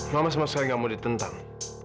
mama sama sekali nggak mau ditentang